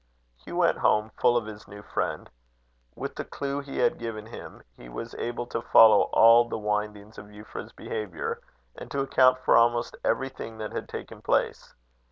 Hugh went home, full of his new friend. With the clue he had given him, he was able to follow all the windings of Euphra's behaviour, and to account for almost everything that had taken place.